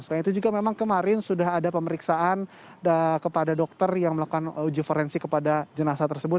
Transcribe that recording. selain itu juga memang kemarin sudah ada pemeriksaan kepada dokter yang melakukan uji forensik kepada jenazah tersebut